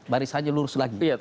barisannya lurus lagi